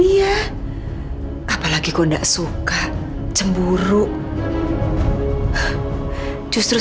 ibu nama aku serius roh